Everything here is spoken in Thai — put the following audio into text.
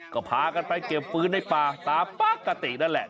ก็พากันไปเก็บฟื้นในป่าตามปกตินั่นแหละ